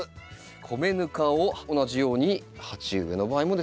米ぬかを同じように鉢植えの場合もですね